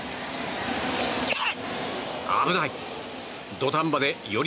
危ない！